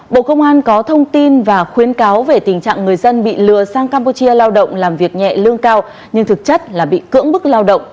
bộ công an có thông tin và khuyến cáo về tình trạng người dân bị lừa sang campuchia lao động làm việc nhẹ lương cao nhưng thực chất là bị cưỡng bức lao động